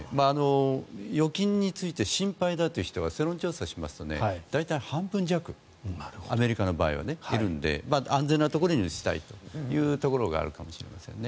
預金について心配だという人は世論調査をしますと大体、半分弱アメリカの場合はいるので安全なところにしたいというところがあるかもしれませんね。